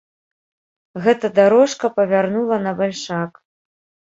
Гэта дарожка павярнула на бальшак.